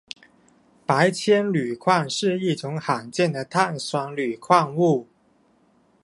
白铅铝矿是一种罕见的碳酸铝矿物。